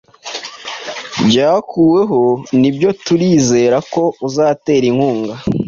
Byakuweho Nibyoturizera ko uzatera inkunga